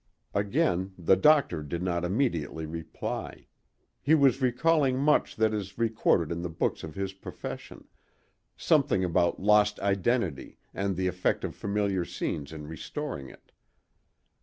Again the doctor did not immediately reply: he was recalling much that is recorded in the books of his profession—something about lost identity and the effect of familiar scenes in restoring it.